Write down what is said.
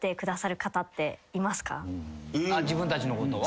自分たちのことを？